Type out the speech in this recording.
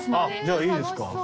じゃあいいですか？